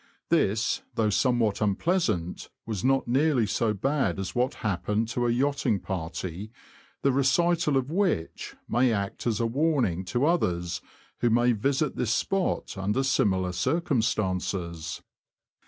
This, though somewhat unpleasant, was not nearly so bad as what happened to a yachting party, the recital of which may act as a warning to others who may visit this spot under similar circum stances.